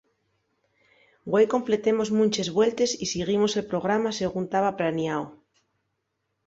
Güei completemos munches vueltes y siguimos el programa según taba planiao.